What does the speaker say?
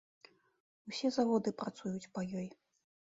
Усе заводы працуюць па ёй.